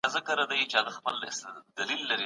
د ټولنيزو بنسټونو درناوی وکړئ.